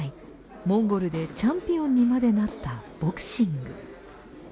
モンゴルでチャンピオンにまでなったボクシング。